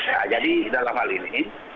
nah jadi dalam hal ini